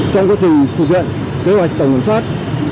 trong quá trình thực hiện kế hoạch tổng kiểm soát